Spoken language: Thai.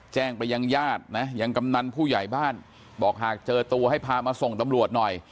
แจ้งไปยังญาตินะยังกำนันผู้ใหญ่บ้านบอกหากเจอตัวให้พามาส่งตำรวจหน่อย